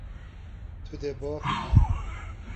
Tu dê biaxivî.